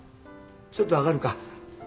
ちょっと上がるか？